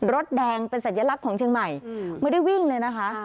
รถแดงเป็นสัญลักษณ์ของเชียงใหม่ไม่ได้วิ่งเลยนะคะ